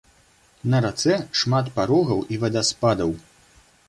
На рацэ шмат парогаў і вадаспадаў.